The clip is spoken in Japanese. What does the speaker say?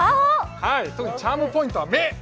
特にチャームポイントは目！